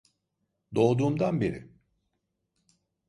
Doğduğumdan beri.